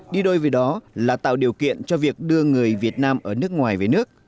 đi đôi với đó là tạo điều kiện cho việc đưa người việt nam ở nước ngoài về nước